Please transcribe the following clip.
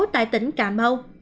một mươi sáu tỉnh cà mau